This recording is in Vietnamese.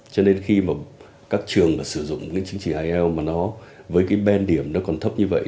cho nên khi mà các trường sử dụng cái chứng chỉ ielts mà nó với cái bên điểm nó còn thấp như vậy